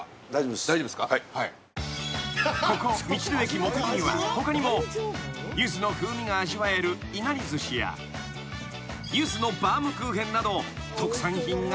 ［ここ道の駅もてぎには他にもゆずの風味が味わえるいなりずしやゆずのバウムクーヘンなど特産品がたくさんあるが］